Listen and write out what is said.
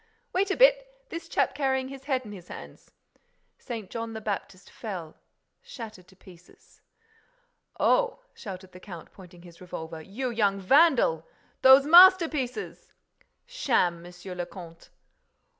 —Wait a bit—this chap carrying his head in his hands—" St. John the Baptist fell, shattered to pieces. "Oh!" shouted the count, pointing his revolver. "You young vandal!—Those masterpieces!" "Sham, Monsieur le Comte!"